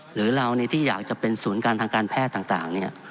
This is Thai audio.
หรือเราที่อยากจะเป็นศูนย์การทางการแพทย์ต่าง